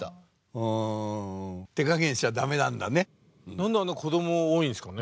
何であんな子ども多いんですかね？